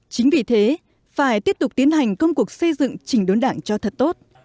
chính vì thế phải tiếp tục tiến hành công cuộc xây dựng chỉnh đốn đảng cho thật tốt